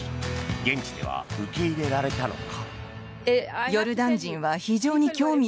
現地では受け入れられたのか？